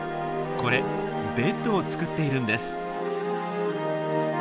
これベッドを作っているんです。